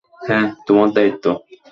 হ্যাঁ, তোমার দায়িত্ব।